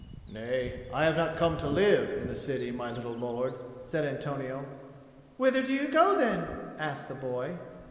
"Nay, I have not come to live in the city, my little lord," said Antonio. "Whither do you go then?" asked the boy.